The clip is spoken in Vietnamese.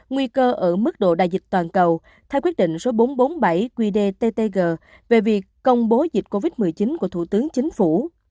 nguy cơ ở mức độ đại dịch toàn cầu theo quyết định số bốn trăm bốn mươi bảy qdttg về việc công bố dịch covid một mươi chín của thủ tướng chính phủ